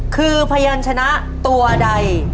คือพยานชนะตัวใด